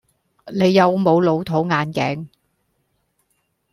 你有冇老土眼鏡?